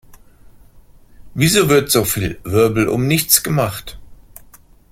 Wieso wird so viel Wirbel um nichts gemacht?